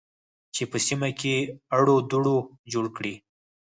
چې په سیمه کې اړو دوړ جوړ کړي